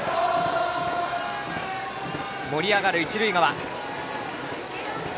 盛り上がる一塁側。